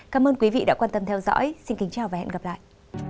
cảm ơn quý vị đã quan tâm theo dõi xin kính chào và hẹn gặp lại